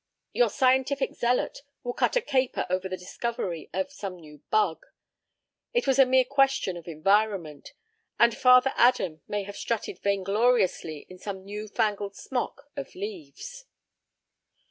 Your scientific zealot will cut a caper over the discovery of some new bug. It was a mere question of environment, and Father Adam may have strutted vaingloriously in some new fangled smock of leaves.